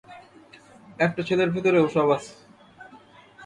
একটা ছেলের ভেতরেও সব আছে।